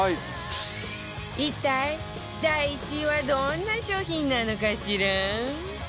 一体第１位はどんな商品なのかしら？